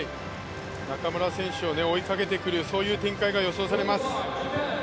中村選手を追いかけてくるという展開が予想されます。